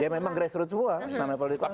ya memang grassroot semua namanya politik uang